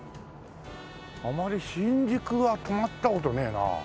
あまり新宿は泊まった事ねえな。